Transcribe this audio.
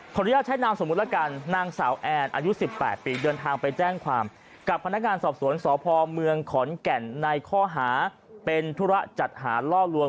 อนุญาตใช้นามสมมุติแล้วกันนางสาวแอนอายุ๑๘ปีเดินทางไปแจ้งความกับพนักงานสอบสวนสพเมืองขอนแก่นในข้อหาเป็นธุระจัดหาล่อลวง